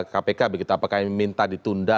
kpk begitu apakah ini minta ditunda